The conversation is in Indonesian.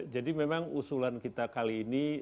jadi memang usulan kita kali ini